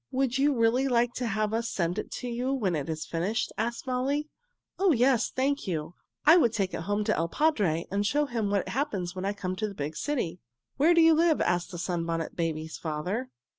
"Would you really like to have us send it to you when it is finished?" asked Molly. "Oh, yes, thank you! I would take it home to il padre and show him what happens when I come to the big city." "Where do you live?? asked the Sunbonnet Babies' father.